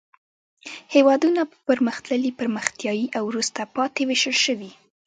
هېوادونه په پرمختللي، پرمختیایي او وروسته پاتې ویشل شوي.